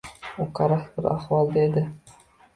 U karaxt bir ahvolda edi.